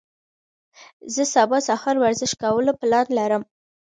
زه سبا سهار ورزش کولو پلان لرم.